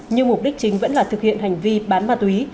nhưng mục đích chính vẫn là thực hiện hành vi bán ma túy